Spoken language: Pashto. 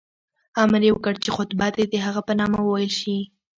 امر یې وکړ چې خطبه دې د هغه په نامه وویل شي.